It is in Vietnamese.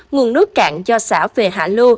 nguồn nước cạn cho xã về hạ lưu